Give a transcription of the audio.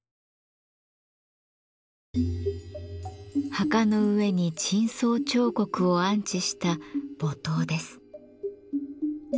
墓の上に頂相彫刻を安置した墓塔です。